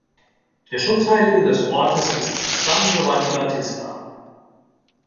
Der Schutzheilige des Ortes ist "San Giovanni Battista".